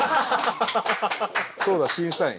そうだ審査員。